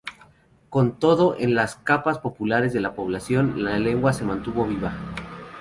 Con todo, en las capas populares de la población, la lengua se mantuvo viva.